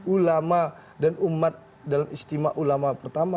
ulama dan umat dalam istimewa ulama pertama